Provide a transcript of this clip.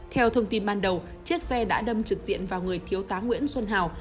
theo thông tin ban đầu chiếc xe đã đâm trực diện vào người thiếu tá nguyễn xuân hào